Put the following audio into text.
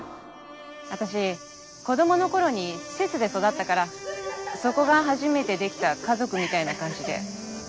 私子供の頃に施設で育ったからそこが初めて出来た家族みたいな感じでうれしかった。